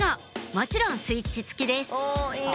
もちろんスイッチ付きです